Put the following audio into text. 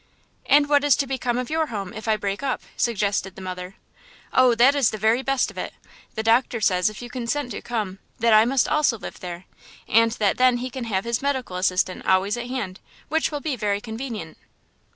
"And what is to become of your home, if I break up?" suggested the mother. "Oh, that is the very best of it! The doctor says if you consent to come that I must also live there, and that then he can have his medical assistant always at hand, which will be very convenient!"